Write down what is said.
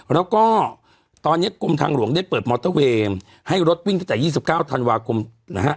แล้วก็ตอนนี้กรมทางหลวงได้เปิดมอเตอร์เวย์ให้รถวิ่งตั้งแต่๒๙ธันวาคมนะฮะ